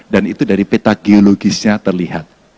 dan itu dari peta geologisnya terlihat